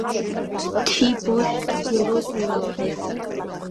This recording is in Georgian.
თი ბოშ ჯგურო გურაფლენს